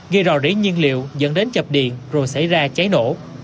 gây rò rỉ nhiên liệu dẫn đến chập điện rồi xảy ra cháy nổ